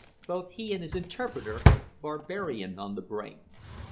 Both he and his interpreter had "barbarian" on the brain.